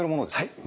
はい。